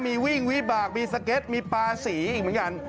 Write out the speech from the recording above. มีวิ่งวิบากมีสเก็ตมีปลาสีอีกเหมือนกัน